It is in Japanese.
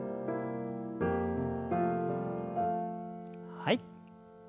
はい。